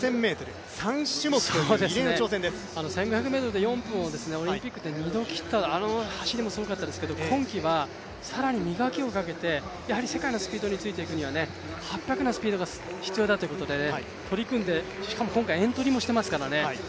１５００ｍで４分、オリンピックで２度切ったあの走りもすごかったですけど今季は、更に磨きをかけて世界のスピードについて行くには８００のスピードが必要だと取り組んで、しかも、今回エントリーもしてますからね。